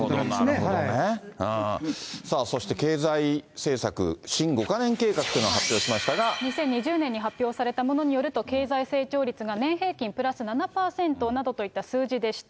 なるほどね、さあそして経済政策、新５か年計画というのを発２０２０年に発表されたものによると、経済成長率が年平均プラス７％などといった数字でした。